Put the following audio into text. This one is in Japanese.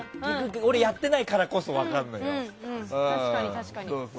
俺、やってないからこそ分かるのよ。